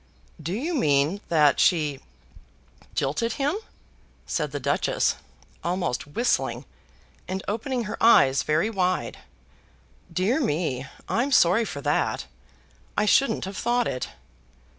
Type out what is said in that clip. "Do you mean that she jilted him?" said the Duchess, almost whistling, and opening her eyes very wide. "Dear me, I'm sorry for that. I shouldn't have thought it."